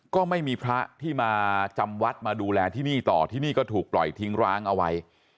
ก็ไม่มีพระที่มาจำวัดมาดูแลที่นี่ต่อที่นี่ก็ถูกปล่อยทิ้งร้างเอาไว้